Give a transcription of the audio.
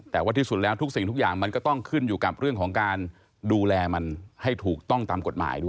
แต่ว่าที่สุดแล้วทุกสิ่งทุกอย่างมันก็ต้องขึ้นอยู่กับเรื่องของการดูแลมันให้ถูกต้องตามกฎหมายด้วย